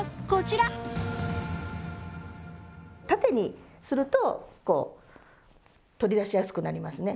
縦にするとこう取り出しやすくなりますね。